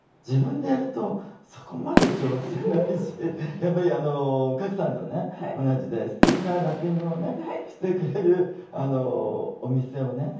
自分でやるとそこまで上手じゃないしやっぱり賀来さんとね同じですてきなラッピングをねしてくれるお店をね